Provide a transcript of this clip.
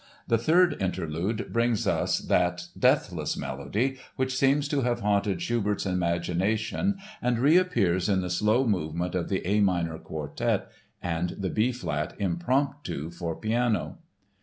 The third interlude brings us that deathless melody which seems to have haunted Schubert's imagination and reappears in the slow movement of the A minor Quartet and the B flat Impromptu for piano.